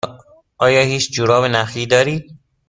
آیا هیچ جوراب نخی دارید؟